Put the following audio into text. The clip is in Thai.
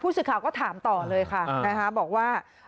ผู้สิทธิ์ข่าก็ถามต่อเลยค่ะบอกว่า